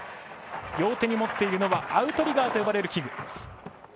両手に持っているのはアウトリガーと呼ばれる器具。